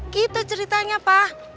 gitu ceritanya pak